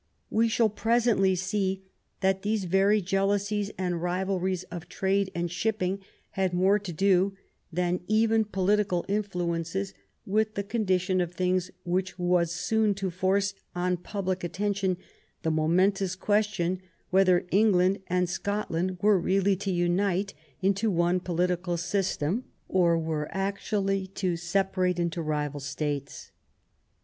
We shall presently see that these very jealousies and rivalries of trade and shipping had more to do than even political influences with the condition of things which was soon to force on public attention the momentous question whether England and Scotland were really to unite into one political system or were actually to separate into rival states.